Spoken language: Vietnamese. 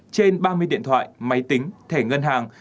trên ba mươi điện thoại máy tính thẻ ngân hàng